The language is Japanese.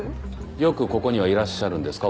よくここにはいらっしゃるんですか？